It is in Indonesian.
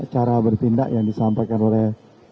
cara bertindak yang disampaikan oleh